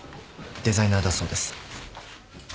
デザイナーだそうです。